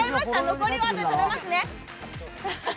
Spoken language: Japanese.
残りはあとで食べますね。